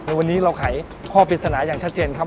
ในวันนี้เราขายข้อผิดสนาอย่างชัดเจนครับ